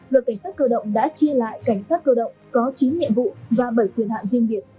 đội cảnh sát cơ động đã chia lại cảnh sát cơ động có chín nhiệm vụ và bảy quyền hạn riêng biệt